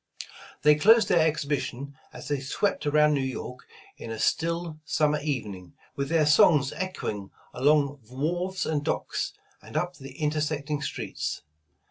They closed their exhibition as they swept around New York in a still summer even ing, with their songs echoing along wharves and docks, and up the intersecting streets.